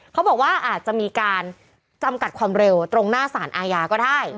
เขาบอกว่าอาจจะมีการจำกัดความเร็วตรงหน้าสารอาญาก็ได้